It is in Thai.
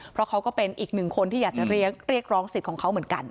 เพราะเขาก็เป็นอีกหนึ่งคนที่อยากจะเรียกร้องสิทธิ์ของเขาเหมือนกัน